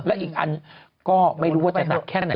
และอีกอันก็ไม่รู้ว่าจะหนักแค่ไหน